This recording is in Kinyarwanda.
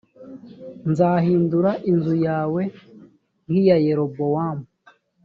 nzahindura inzu yawe nk iya yerobowamu